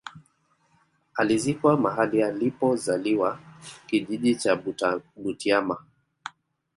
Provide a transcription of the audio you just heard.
Alizikwa mahali alipo zaliwa kijiji cha Butiama